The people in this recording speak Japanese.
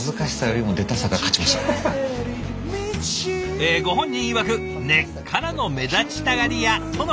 えご本人いわく根っからの目立ちたがり屋とのこと。